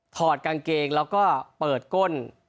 ถอดกางเกงแล้วก็เปิดก้น